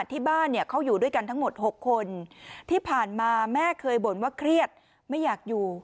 ที่บ้านเนี่ยเขาอยู่ด้วยกันทั้งหมด๖คนที่ผ่านมาแม่เคยบ่นว่าเครียดไม่อยากอยู่